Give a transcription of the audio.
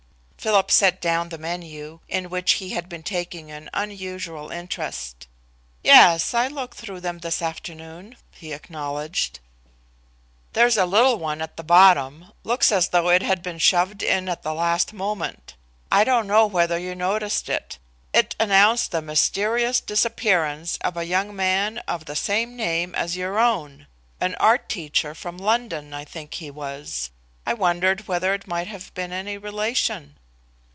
Philip set down the menu, in which he had been taking an unusual interest. "Yes, I looked through them this afternoon," he acknowledged. "There's a little one at the bottom, looks as though it had been shoved in at the last moment. I don't know whether you noticed it. It announced the mysterious disappearance of a young man of the same name as your own an art teacher from London, I think he was. I wondered whether it might have been any relation?"